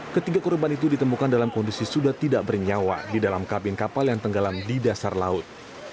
ketiga korban itu ditemukan dalam kondisi sudah tidak bernyawa di dalam kabin kapal yang tenggelam di dasar laut